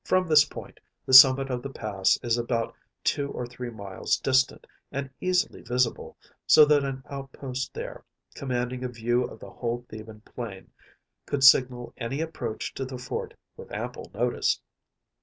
From this point the summit of the pass is about two or three miles distant, and easily visible, so that an outpost there, commanding a view of the whole Theban plain, could signal any approach to the fort with ample notice.